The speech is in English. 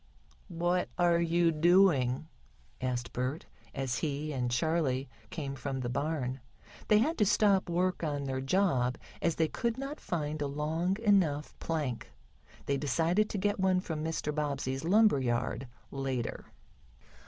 "What are you doing?" asked Bert, as he and Charley came from the barn. They had to stop work on their job, as they could not find a long enough plank. They decided to get one from Mr. Bobbsey's lumber yard, later.